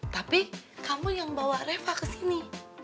tapi kamu yang bawa reva kesini